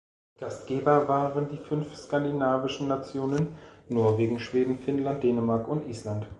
Gastgeber waren die fünf skandinavischen Nationen Norwegen, Schweden, Finnland, Dänemark und Island.